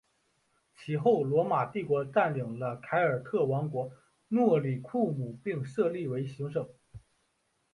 其后罗马帝国占领了凯尔特王国诺里库姆并设立为行省。